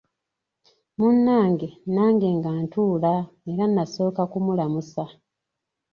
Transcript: Munnange nange nga ntuula era nasooka kumulamusa.